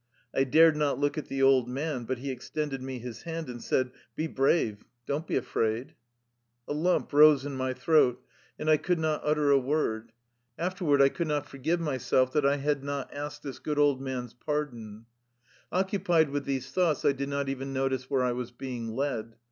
I dared not look at the old man, but he extended me his hand and said :" Be brave. Don't be afraid.'' A lump rose in my throat, and I could not utter a word. Afterward I could not forgive 59 THE LIFE STOEY OF A RUSSIAN EXILE myself that I bad not asked this good old man^s pardon. Occupied with these thoughts, I did not even notice where I was being led.